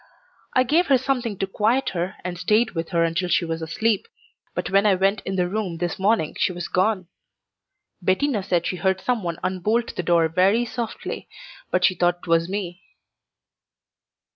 I gave her something to quiet her and stayed with her until she was asleep, but when I went in the room this morning she was gone. Bettina said she heard some one unbolt the door very softly, but she thought 'twas me."